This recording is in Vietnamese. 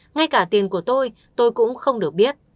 ngay cả tiền của tôi tôi cũng không được biết